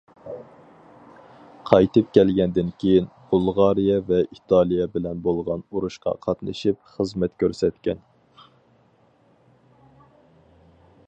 قايتىپ كەلگەندىن كېيىن، بۇلغارىيە ۋە ئىتالىيە بىلەن بولغان ئۇرۇشقا قاتنىشىپ خىزمەت كۆرسەتكەن.